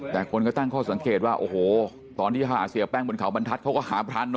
แต่คนตั้งข้อสังเกตว่าโอ้โหตอนที่หาเสียแป้งบนเขาบรรทัศน์